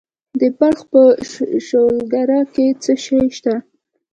د بلخ په شولګره کې څه شی شته؟